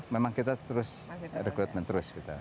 memang kita terus rekrutmen terus